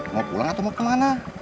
mau pulang atau mau kemana